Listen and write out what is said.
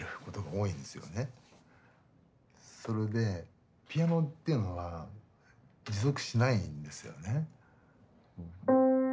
それでピアノっていうのは持続しないんですよね。